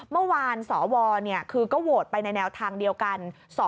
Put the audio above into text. เมื่อวานสวคือก็โหวตไปในแนวทางเดียวกัน